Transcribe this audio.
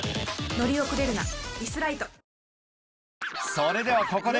それではここで